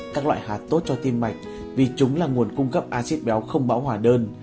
các loại hạt tốt cho tim mạnh vì chúng là nguồn cung cấp acid béo không bão hỏa đơn